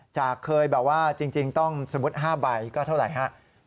จากเคยแบบว่าจริงต้องสมมุติ๕ใบก็เท่าไรฮะ